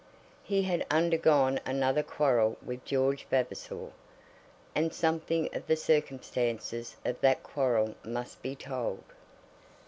He had undergone another quarrel with George Vavasor, and something of the circumstances of that quarrel must be told.